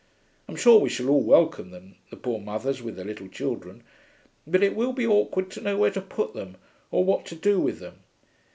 I'm sure we shall all welcome them, the poor mothers with their little children. But it will be awkward to know where to put them or what to do with them.